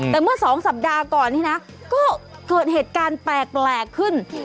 แต่เมื่อ๒สัปดาห์ก่อนนี่นะก็เกิดเหตุการณ์แปลกขึ้น